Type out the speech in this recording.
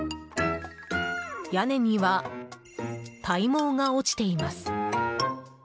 屋根には、体毛が落ちています。